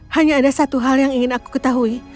hanya ada satu hal yang ingin aku ketahui